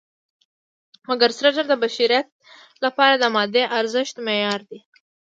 مګر سره زر د بشریت لپاره د مادي ارزښت معیار دی.